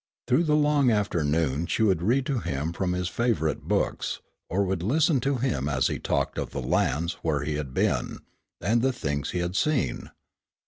Through the long afternoons she would read to him from his favorite books, or would listen to him as he talked of the lands where he had been, and the things he had seen.